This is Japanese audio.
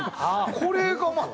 これがまた。